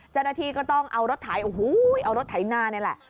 จนนาทีก็ต้องเอารถถ่ายโอ้โฮเอารถถ่ายหน้าเนี่ยแหละ